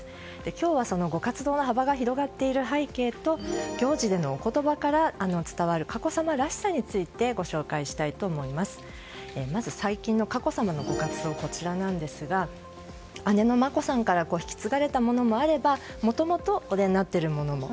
今日はそのご活動の幅が広がっている背景と行事でのお言葉から伝わる佳子さまらしさについて最近の佳子さまのご活動はこちらですが姉の眞子さんから引き継がれたものもあればもともとお出になっているものも。